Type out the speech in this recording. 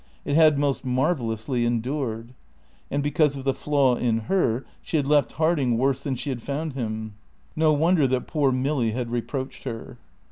It had most marvellously endured. And because of the flaw in her she had left Harding worse than she had found him. No wonder that poor Milly had reproached her.